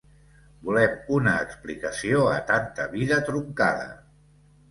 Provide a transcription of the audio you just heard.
Volem una explicació a tanta vida truncada.